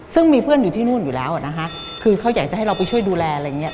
ซึ่งมีเพื่อนอยู่ที่นู่นอยู่แล้วอ่ะนะคะคือเขาอยากจะให้เราไปช่วยดูแลอะไรอย่างเงี้